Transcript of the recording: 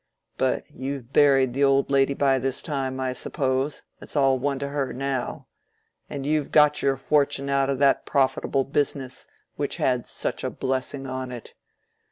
But you've buried the old lady by this time, I suppose—it's all one to her now. And you've got your fortune out of that profitable business which had such a blessing on it.